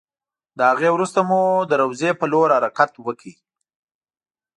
له هغې وروسته مو د روضې په لور حرکت وکړ.